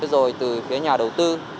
rồi từ phía nhà đầu tư